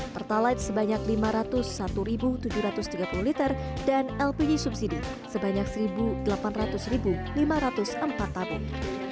pertalite sebanyak lima ratus satu tujuh ratus tiga puluh liter dan lpg subsidi sebanyak satu delapan ratus lima ratus empat tabung